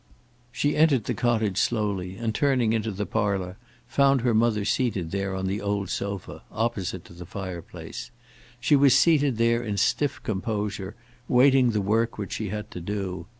She entered the cottage slowly, and turning into the parlour, found her mother seated there on the old sofa, opposite to the fireplace. She was seated there in stiff composure, waiting the work which she had to do.